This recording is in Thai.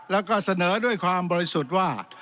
แล้วก็เสนอด้วยความบริสุทธิ์ว่า